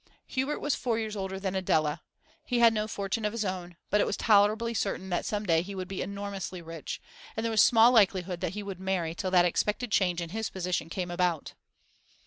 Hubert was four years older than Adela. He had no fortune of his own, but it was tolerably certain that some day he would be enormously rich, and there was small likelihood that he would marry till that expected change in his position came about.